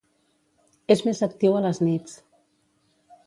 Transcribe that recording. És més actiu a les nits.